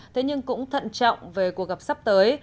thế nhưng cũng thận trọng về cuộc gặp sắp tới